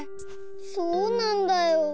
そうなんだよ。